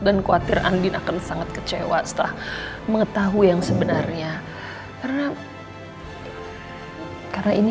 dan khawatir andin akan sangat kecewa setelah mengetahui yang sebenarnya karena karena ini